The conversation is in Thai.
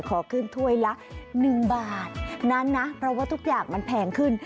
ขอขึ้นถ้วยละ๑บาทนั้นนะเพราะว่าทุกอย่างมันแพงขึ้น